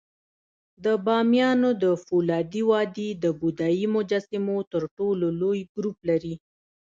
د بامیانو د فولادي وادي د بودایي مجسمو تر ټولو لوی ګروپ لري